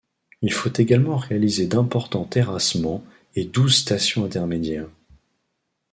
Il faut également réaliser d'importants terrassements et douze stations intermédiaires.